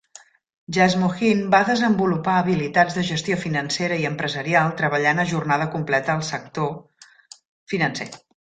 Jasmuheen va desenvolupar habilitats de gestió financera i empresarial treballant a jornada completa al sector financer.